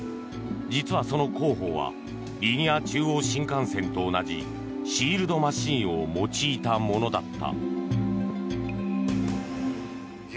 実はその工法はリニア中央新幹線と同じシールドマシンを用いたものだった。